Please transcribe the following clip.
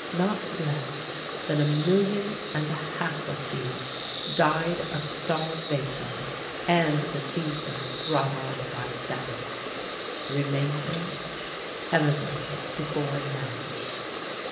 Not less than a million and a half of these died of starvation and the fevers brought on by famine. The remainder emigrated to foreign lands.